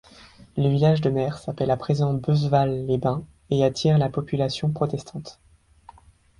Le village de mer s'appelle à présent Beuzeval-les-Bains et attire la population protestante.